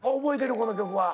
この曲は。